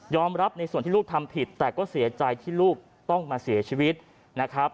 รับในส่วนที่ลูกทำผิดแต่ก็เสียใจที่ลูกต้องมาเสียชีวิตนะครับ